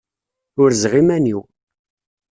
Urzeɣ iman-iw.